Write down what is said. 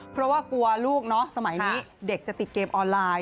เพราะว่ากลัวลูกเนาะสมัยนี้เด็กจะติดเกมออนไลน์